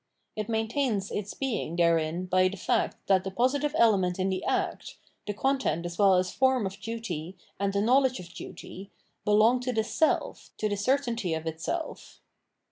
It maintains its being therein by the fact that the positive element in the act, the content as well as form of duty and the knowledge of duty, belong 'to the self, to the certainty of itself.